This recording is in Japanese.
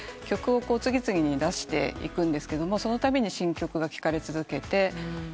曲を次々に出していくんですけどそのたびに新曲が聞かれ続けて。